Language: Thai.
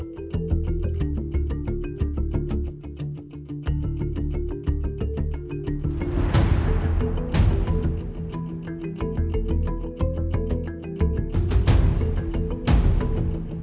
เวยบ้านสุดที่ต้องการสนับบุรี